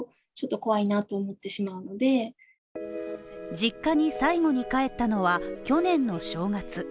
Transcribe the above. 実家に最後に帰ったのは去年の正月